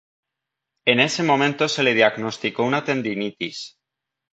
En ese momento se le diagnosticó una tendinitis.